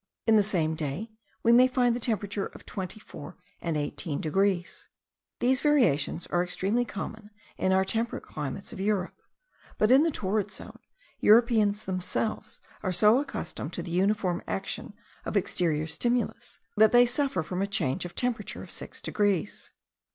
In the same day, we may find the temperature of 24 and 18 degrees. These variations are extremely common in our temperate climates of Europe, but in the torrid zone, Europeans themselves are so accustomed to the uniform action of exterior stimulus, that they suffer from a change of temperature of 6 degrees.